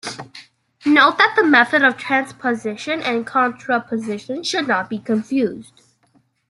Note that the method of transposition and contraposition should not be confused.